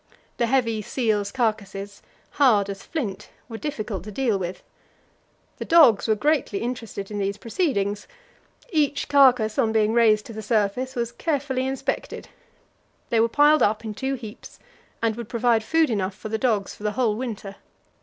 The heavy seals' carcasses, hard as flint, were difficult to deal with. The dogs were greatly interested in these proceedings. Each carcass, on being raised to the surface, was carefully inspected; they were piled up in two heaps, and would provide food enough for the dogs for the whole winter.